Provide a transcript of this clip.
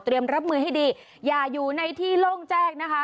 รับมือให้ดีอย่าอยู่ในที่โล่งแจ้งนะคะ